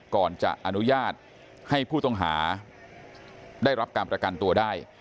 ก่อนจะอนุญาตให้ผู้ต้องหาได้รับการประกันตัวได้